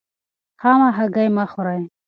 خامه هګۍ مه خورئ.